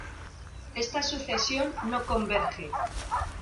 Esta sucesión no converge.